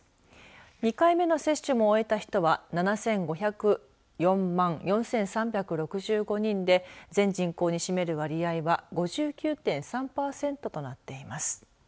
２回目の接種も終えた人は７５０４万４３６５人で全人口に占める割合は５９．３パーセントとなっています。